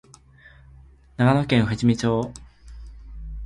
長野県富士見町